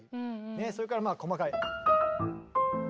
それからまあ細かい。